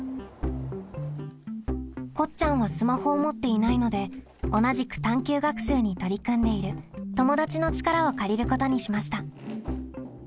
こっちゃんはスマホを持っていないので同じく探究学習に取り組んでいる友だちの力を借りることにしました。